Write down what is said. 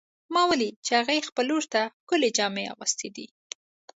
ما ولیدل چې هغې خپل لور ته ښکلې جامې اغوستې دي